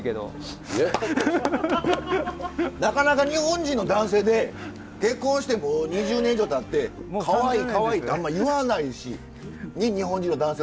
なかなか日本人の男性で結婚してもう２０年以上たって「かわいいかわいい」ってあんま言わないし日本人の男性は特にね。